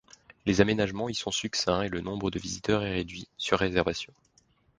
Les aménagements y sont succincts et le nombre de visiteurs est réduit, sur réservation.